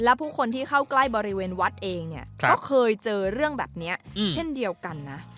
และผู้คนที่เข้าใกล้บริเวณวัดเองเนี่ยก็เคยเจอเรื่องแบบนี้เช่นเดียวกันนะ